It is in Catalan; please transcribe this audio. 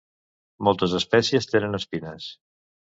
Moltes espècies tenen espines.